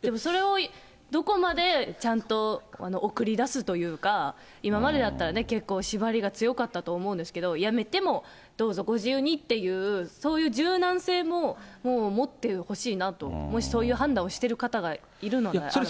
でもそれをどこまでちゃんと送り出すというか、今までだったらね、結構縛りが強かったと思うんですけど、辞めてもどうぞご自由にっていう、そういう柔軟性も持ってほしいなと、もしそういう判断をしている方がいるのであれば。